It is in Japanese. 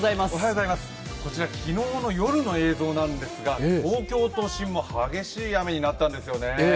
こちら、昨日の夜の映像なんですが、東京都心も激しい雨になったんですよね。